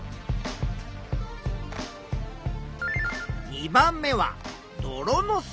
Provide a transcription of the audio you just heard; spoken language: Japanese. ２番目は泥の層。